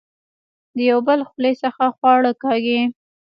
د يو بل خولې څخه خواړۀ کاږي